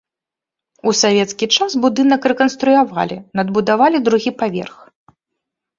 У савецкі час будынак рэканструявалі, надбудавалі другі паверх.